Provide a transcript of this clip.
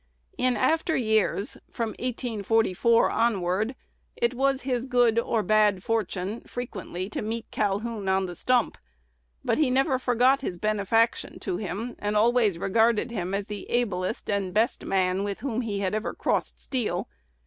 In after years from 1844 onward it was his good or bad fortune frequently to meet Calhoun on the stump; but he never forgot his benefaction to him, and always regarded him as the ablest and best man with whom he ever had crossed steel.